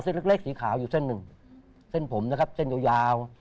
เส้นเล็กสีขาวอยู่เส้นหนึ่งเส้นผมนะครับเส้นยาว